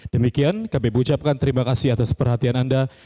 demikian kami ucapkan terima kasih atas perhatian anda